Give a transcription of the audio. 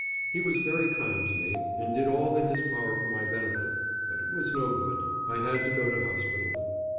He was very kind to me, and did all in his power for my benefit. But it was no good. I had to go to hospital.